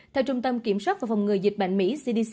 theo trung tâm kiểm soát và phòng ngừa dịch bệnh mỹ cdc